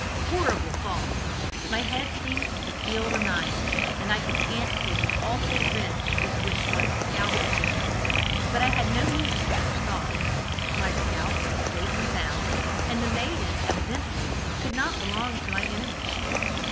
Horrible thought! my head seemed to feel the knife, and I could fancy the awful wrench with which one's scalp would go; but I had no need for such thoughts. My scalp was safe and sound, and the maiden evidently could not belong to my enemies.